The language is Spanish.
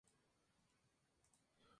El recorrido de la prueba se hace en grupo.